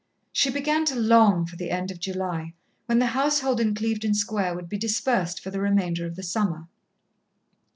She began to long for the end of July, when the household in Clevedon Square would be dispersed for the remainder of the summer.